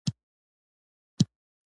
مړه ته د دعا تلپاتې لمونځونه غواړو